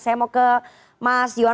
saya mau ke mas iwan